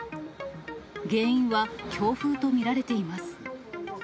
原因は強風と見られています。